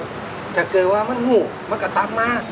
แกเกลียวว่ามันหูมันกระตั้งมา